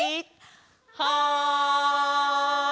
はい！